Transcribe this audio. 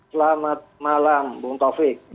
selamat malam bung taufik